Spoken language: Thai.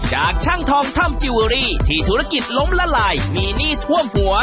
จากช่างทองถ้ำจิลเวอรี่ที่ธุรกิจล้มละลายมีหนี้ท่วมหัว